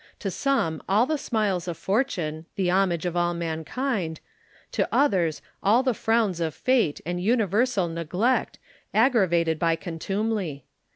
To some all the smiles of fortune, the homage of all mankind to others all the frowns of fate and universal neglect, aggravated by contumely.